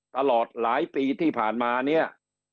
ตลอดหลายปีที่ผ่านมาเนี่ย